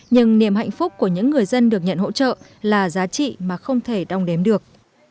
nhưng niềm hạnh phúc của những người dân được nhận hỗ trợ là giá trị mà không thể đong đếm được